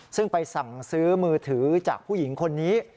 ซึ่งไปสั่งซื้อมือถือจากผู้หญิงคนนี้